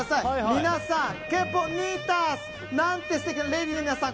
皆さんなんて素敵なレディーの皆さん！